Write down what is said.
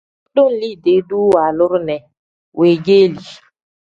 Bu kudum liidee-duu waaluru ne weegeeli.